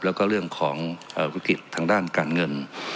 แล้วก็เรื่องของวิกฤตทางด้านการเงิน